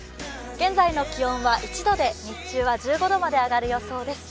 現在の気温は１度で日中は１５度まで上がる予想です。